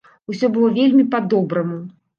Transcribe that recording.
Усё было вельмі па-добраму.